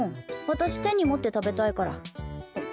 私、手に持って食べたいから。